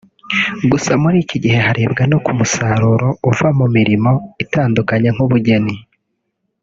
Gusa muri iki gihe harebwa no ku musaruro uva mu mirimo itandukanye nk’ubugeni